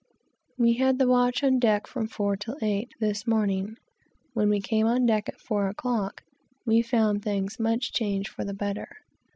We had the watch on deck from four till eight, this morning. When we came on deck at four o'clock, we found things much changed for the better.